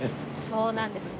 そうなんですよ。